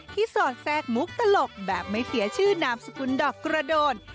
สอดแทรกมุกตลกแบบไม่เสียชื่อนามสกุลดอกกระโดน